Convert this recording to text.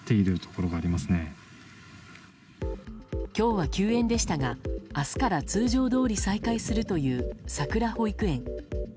今日は休園でしたが明日から通常どおり再開するという、さくら保育園。